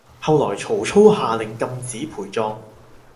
後來曹操下令禁止陪葬